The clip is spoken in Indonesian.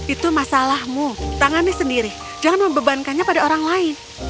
itu masalahmu tangani sendiri jangan membebankannya pada orang lain